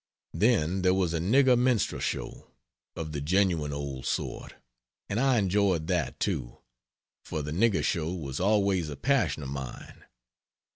Then there was a nigger minstrel show, of the genuine old sort, and I enjoyed that, too, for the nigger show was always a passion of mine.